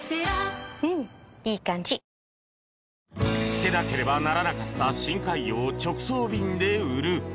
捨てなければならなかった深海魚を直送便で売る。